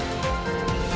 besar rengsi di indonesia